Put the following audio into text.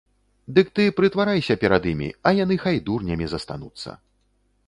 Дык ты прытварайся перад імі, а яны хай дурнямі застануцца.